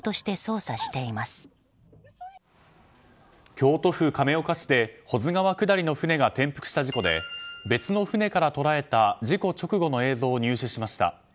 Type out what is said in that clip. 京都府亀岡市で保津川下りの船が転覆した事故で別の船から捉えた事故直後の映像を入手しました。